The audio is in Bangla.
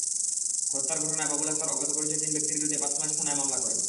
হত্যার ঘটনায় বাবুল আক্তার অজ্ঞাতপরিচয় তিন ব্যক্তির বিরুদ্ধে পাঁচলাইশ থানায় মামলা করেন।